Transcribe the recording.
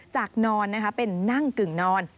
จากนอนเป็นนั่งกึ่งนอน